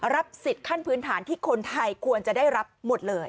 รับสิทธิ์ขั้นพื้นฐานที่คนไทยควรจะได้รับหมดเลย